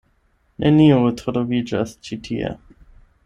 Neniu troviĝas ĉi tie.